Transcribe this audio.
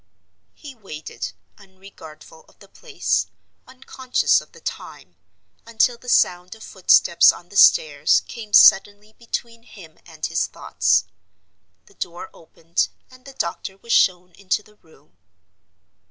He waited, unregardful of the place, unconscious of the time, until the sound of footsteps on the stairs came suddenly between him and his thoughts. The door opened, and the doctor was shown into the room.